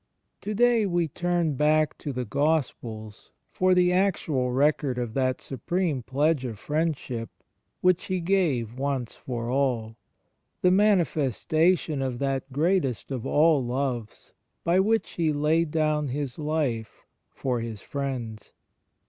To day we turn back to the Gospels for the actual record of that supreme pledge of friendship which He gave once for all, the manifestation of that greatest of all Loves by which He laid down His Life for His friends.